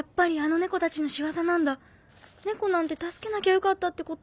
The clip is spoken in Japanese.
猫なんて助けなきゃよかったってこと？